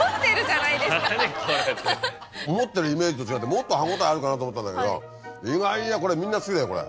思ってるイメージと違ってもっと歯応えあるかと思ったんだけど意外やこれみんな好きだよこれ。